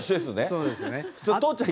そうですね。